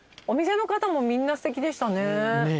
お店の方もみんなすてきでしたね。